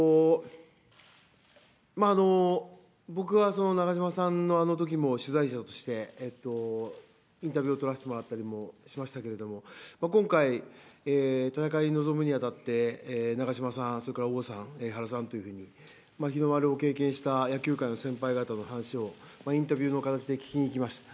僕は長嶋さんのあのときも取材者として、インタビューを取らせてもらったりもしましたけど、今回、戦いに臨むにあたって、長嶋さん、それから王さん、原さんというように、日の丸を経験した野球界の先輩方の話をインタビューの形で聞きに行きました。